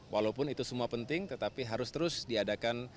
walaupun itu semua penting tetapi harus terus diadakan